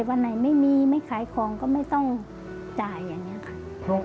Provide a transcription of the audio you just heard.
วันไหนไม่มีไม่ขายของก็ไม่ต้องจ่ายอย่างนี้ค่ะ